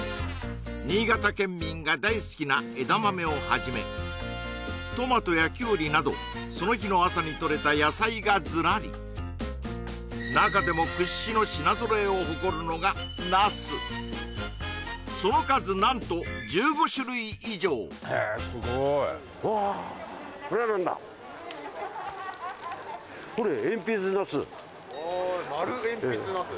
新潟県民が大好きな枝豆をはじめトマトやキュウリなどその日の朝にとれた野菜がズラリ中でも屈指の品揃えを誇るのがナスその数何と１５種類以上へえすごい丸えんぴつナス？